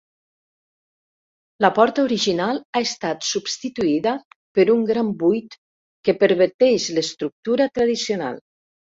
La porta original ha estat substituïda per un gran buit que perverteix l'estructura tradicional.